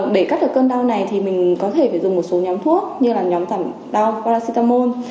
để cắt được cơn đau này thì mình có thể phải dùng một số nhóm thuốc như là nhóm đau